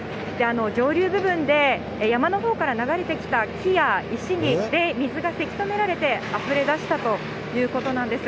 上流部分で山のほうから流れてきた木や石によって水がせき止められてあふれだしたということなんです。